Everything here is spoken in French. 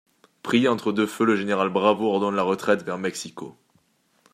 Pris entre deux feux le général Bravo ordonne la retraite vers Mexico.